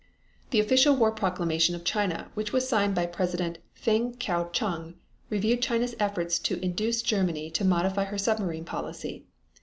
The official war proclamation of China which was signed by President Feng kuo chang reviewed China's efforts to induce Germany to modify her submarine policy.